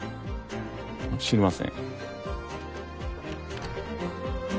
知りません。